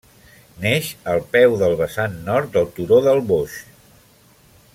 Neix al peu del vessant nord del Turó del Boix.